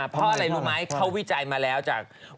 เพราะอะไรรู้ไหมเขาวิจัยมาแล้วจาก